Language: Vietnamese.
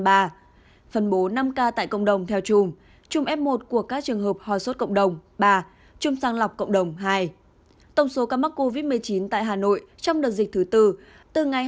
phân bố năm ca tại cộng đồng theo chung chung f một của các trường hợp hoa sốt cộng đồng ba chung sàng lọc cộng đồng hai